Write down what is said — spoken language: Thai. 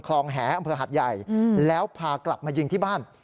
คลองแหออำเภาหรรยายแล้วพากลับมายิงที่บ้าน